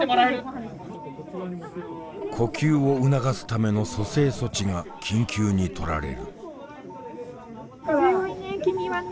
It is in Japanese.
呼吸を促すための蘇生措置が緊急に取られる。